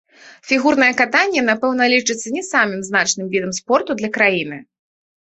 Фігурнае катанне, напэўна, лічыцца не самым значным відам спорту для краіны.